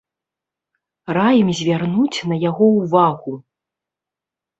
Раім звярнуць на яго ўвагу.